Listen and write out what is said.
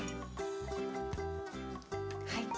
はい。